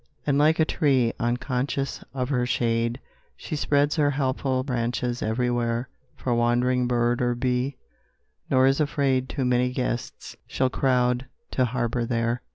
And like a tree, unconscious of her shade, She spreads her helpful branches everywhere For wandering bird or bee, nor is afraid Too many guests shall crowd to harbor there.